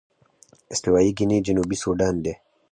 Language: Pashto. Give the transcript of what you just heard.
استوايي ګيني جنوبي سوډان دي.